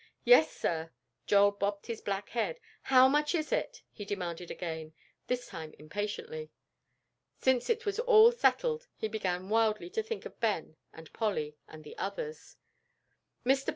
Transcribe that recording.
"Yes, sir," Joel bobbed his black head. "How much is it?" he demanded again, this time impatiently. Since it was all settled, he began wildly to think of Ben and Polly and the others. "Mr.